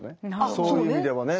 そういう意味ではね